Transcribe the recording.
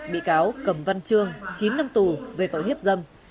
bị cáo cầm văn trương chín năm tù về tội hiếp dâm